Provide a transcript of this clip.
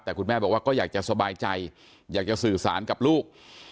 แต่คุณแม่บอกว่าก็อยากจะสบายใจอยากจะสื่อสารกับลูก